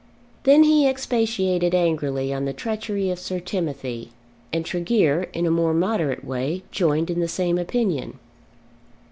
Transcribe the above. Then he expatiated angrily on the treachery of Sir Timothy, and Tregear in a more moderate way joined in the same opinion.